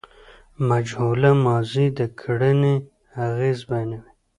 مجهوله ماضي د کړني اغېز بیانوي.